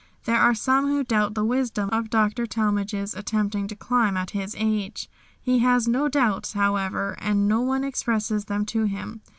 There are some who doubt the wisdom of Dr. Talmage's attempting to climb at his age. He has no doubts, however, and no one expresses them to him.